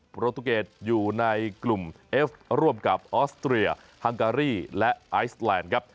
โปรตูเกตอยู่ในกลุ่มเอฟร่วมกับออสเตรียฮังการีและไอซแลนด์ครับ